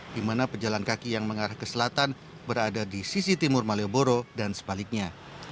di mana pejalan kaki yang mengarah ke selatan berada di sisi timur malioboro dan sebaliknya